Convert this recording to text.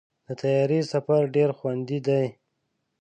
د طیارې سفر ډېر خوندي دی.